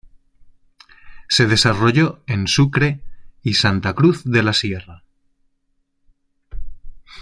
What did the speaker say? Se desarrolló en Sucre y Santa Cruz de la Sierra.